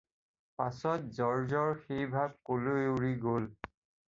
পাছত জৰ্জৰ সেই ভাব কলৈ উৰি গ'ল।